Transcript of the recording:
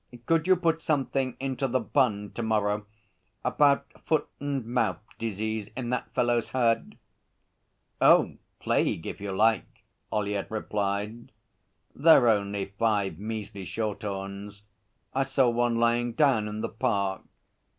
'Could you put something into The Bun to morrow about foot and mouth disease in that fellow's herd?' 'Oh, plague if you like,' Ollyett replied. 'They're only five measly Shorthorns. I saw one lying down in the park.